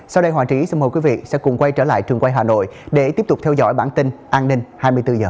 sau đây hòa trí xin mời quý vị quay trở lại trường quay hà nội để tiếp tục theo dõi bản tin an ninh hai mươi bốn h